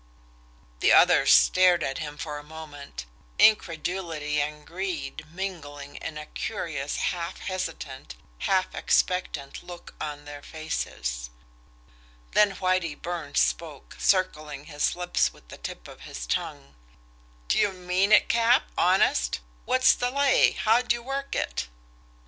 The others stared at him for a moment, incredulity and greed mingling in a curious half hesitant, half expectant look on their faces. Then Whitie Burns spoke, circling his lips with the tip of his tongue: "D'ye mean it, Cap honest? What's the lay? How'd you work it?"